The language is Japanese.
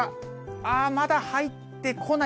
ああ、まだ入ってこない。